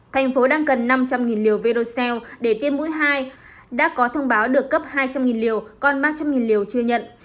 thành phố đang cần năm trăm linh liều vercell để tiêm mũi hai đã có thông báo được cấp hai trăm linh liều còn ba trăm linh liều chưa nhận